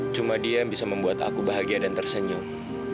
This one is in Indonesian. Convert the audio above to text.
cuma dia bisa membuat aku bahagia dan tersenyum